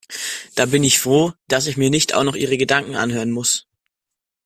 Da bin ich froh, dass ich mir nicht auch noch ihre Gedanken anhören muss.